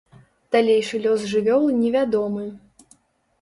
Далейшы лёс жывёлы невядомы.